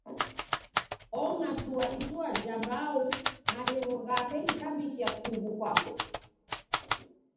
Ong'ashua ishua ja mbau maghegho ghape ghikavikia kughu kwapo.